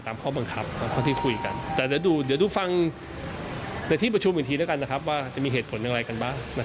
ตามข้อบังคับแบบที่คุยกัน